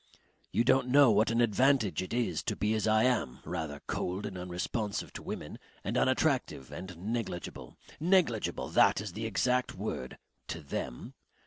You don't know what an advantage it is to be as I am, rather cold and unresponsive to women and unattractive and negligible negligible, that is the exact word to them.